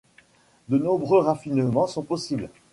De nombreux raffinements sont possibles.